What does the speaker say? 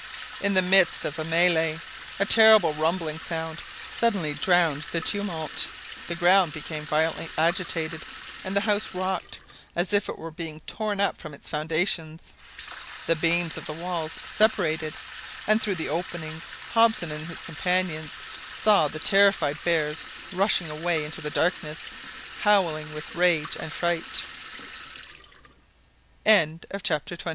In the midst of the mêlée a terrible rumbling sound suddenly drowned the tumult, the ground became violently agitated, and the house rocked as if it were being torn up from its foundations. The beams of the walls separated, and through the openings Hobson and his companions saw the terrified bears rushing away into the darkness, howling with rage and fright. CHAPTER XXII.